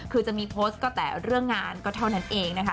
คือจะมีโพสต์ก็แต่เรื่องงานก็เท่านั้นเองนะคะ